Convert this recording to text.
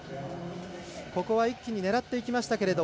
ここは一気に狙っていきましたが。